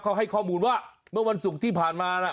เขาให้ข้อมูลว่าเมื่อวันศุกร์ที่ผ่านมานะ